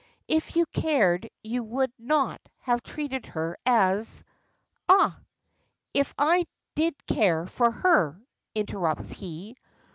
If you cared you would not have treated her as " "Ah, if I did care for her," interrupts he.